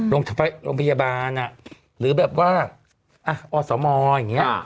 โรงพยาบาลหรือแบบว่าอสมอย่างนี้